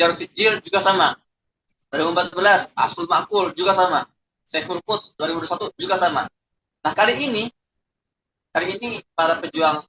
dua ribu empat belas asrul makhul juga sama shaykh spirit dua puluh satu juga sama kali ini kali ini para pejuang